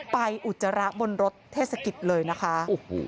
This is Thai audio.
อุจจาระบนรถเทศกิจเลยนะคะ